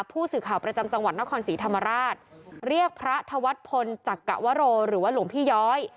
ผู้สื่อข่าวประจำจังหวัดนครศรีธรรมราชเรียกพระธวัฒนพลจักรวโรหรือว่าหลวงพี่ย้อย